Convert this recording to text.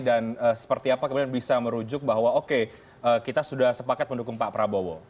dan seperti apa kemudian bisa merujuk bahwa oke kita sudah sepakat mendukung pak prabowo